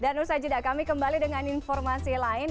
dan usah jeda kami kembali dengan informasi lain